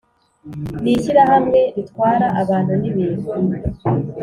Ni ishyirahamwe ritwara Abantu nibintu